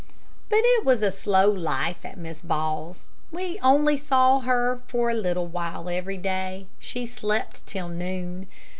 But it was a slow life at Miss Ball's. We only saw her for a little while every day. She slept till noon.